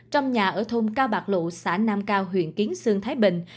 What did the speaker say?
trong nhà ở thôn cao bạc lộ xã nam cao huyện kiến sơn thái bình